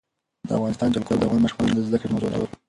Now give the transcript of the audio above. د افغانستان جلکو د افغان ماشومانو د زده کړې موضوع ده.